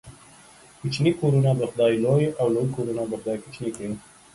کوچني کورونه به خداى لوى ، او لوى کورونه به خداى کوچني کړي.